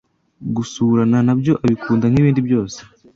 gusurana nabyo abikunda nkibindi byose